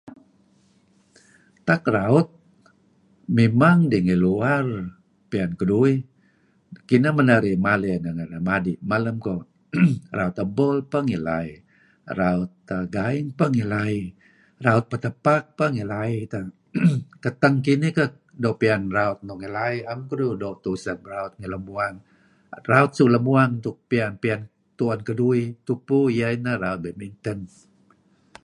Tak raut, memang dih ngi luar piyan keduih, kineh men narih maley renga; narih madi' malem koh {clears throat] . Raut ebol peh ngi lai. Raut gaing peh ngi lai. Raut petepak peh ngi lai. Keteng kinih peh doo' piyan 'an raut nuk ngi lai, 'am keduih useb tu'uh ngan raut lem uwang, Raut suk lem uwang suk 'am piyan-piyan keduih tupu iyeh ineh raut badminton,